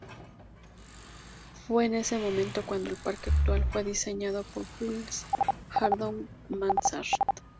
Fue en ese momento cuando el parque actual fue diseñado por Jules Hardouin-Mansart.